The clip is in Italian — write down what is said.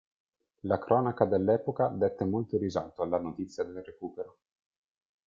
La cronaca dell'epoca dette molto risalto alla notizia del recupero.